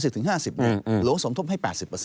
๓๐ถึง๕๐หลวงสมทบให้๘๐